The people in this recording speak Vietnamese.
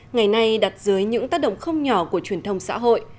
ngày nay đặt dưới những tác động không nhỏ của truyền thông xã hội